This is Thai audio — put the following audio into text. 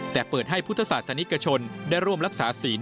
แต่เปิดให้พุทธศาสนิกชนได้ร่วมรักษาศีล